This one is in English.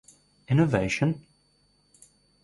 Innovation?